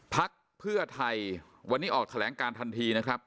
พักเพื่อไทยวันนี้ออกแถลงการทันทีนะครับ